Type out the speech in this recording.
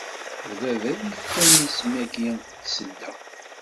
D baba iyi-ifkan isem-agi n Tasedda.